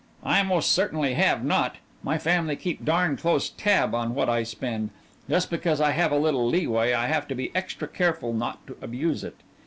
"I most certainly have not. My family keep darn close tab on what I spend. Just because I have a little leeway I have to be extra careful not to abuse it."